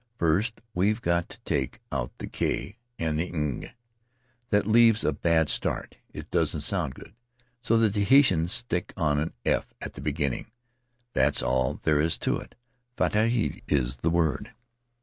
First we've got to take out the h and ng; that leaves a bad start — it doesn't sound good, so the Tahitians stick on an / at the beginning. That's all there is to it; fa'ata'i is the word.